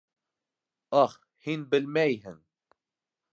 Ах, һин белмәйһең!